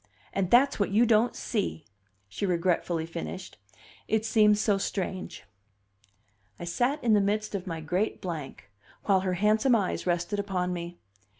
And that's what you don't see," she regretfully finished. "It seems so strange." I sat in the midst of my great blank, while her handsome eyes rested upon me.